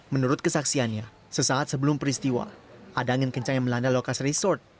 menurut kesaksiannya sesaat sebelum peristiwa ada angin kencang yang melanda lokasi resort